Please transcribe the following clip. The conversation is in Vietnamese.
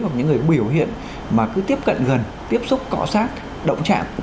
hoặc những người biểu hiện mà cứ tiếp cận gần tiếp xúc cọ sát động trạng